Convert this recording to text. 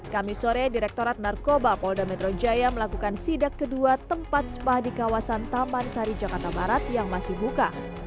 kami sore direktorat narkoba polda metro jaya melakukan sidak kedua tempat spa di kawasan taman sari jakarta barat yang masih buka